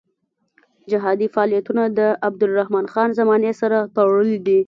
جهادي فعالیتونه د عبدالرحمن خان زمانې سره تړلي دي.